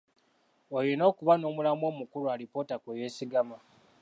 Olina okuba n’omulamwa omukulu alipoota kwe yeesigama.